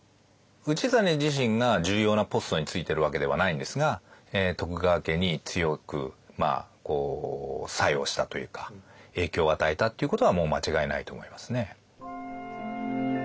氏真自身が重要なポストについてるわけではないんですが徳川家に強く作用したというか影響を与えたっていうことはもう間違いないと思いますね。